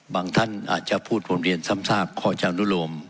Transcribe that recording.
ท่านอาจจะพูดผมเรียนซ้ำซากคอยจะอนุโลม